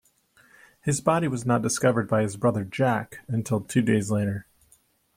His body was not discovered by his brother, Jack, until two days later.